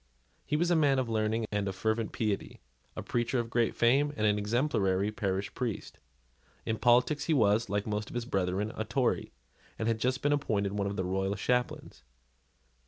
He was a man of learning and fervent piety, a preacher of great fame, and an exemplary parish priest. In politics he was, like most of his brethren, a Tory, and had just been appointed one of the royal chaplains.